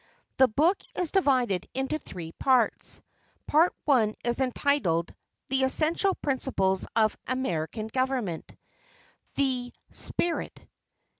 The book is divided into three parts. Part I is entitled "The Essential Principles of American Government. The Spirit."